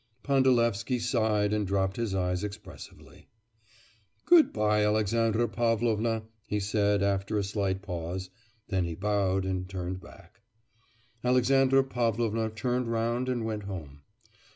Pandalevsky sighed and dropped his eyes expressively. 'Good bye, Alexandra Pavlovna!' he said after a slight pause; then he bowed and turned back. Alexandra Pavlovna turned round and went home.